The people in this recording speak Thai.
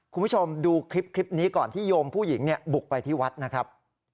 คุณผู้ชมดูคลิปนี้ก่อนที่โยมผู้หญิงบุกไปที่วัดนะครับ